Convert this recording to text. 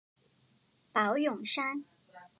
宝永山。